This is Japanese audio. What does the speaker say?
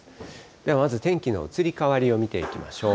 ではまず天気の移り変わりを見ていきましょう。